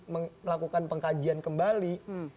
melakukan pengkajian kembali